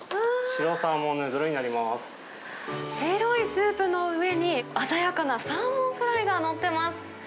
白いスープの上に、鮮やかなサーモンフライが載ってます。